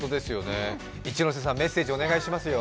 一之瀬さん、メッセージお願いしますよ。